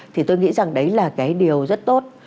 thì tôi nghĩ rằng đấy là cái điều rất tốt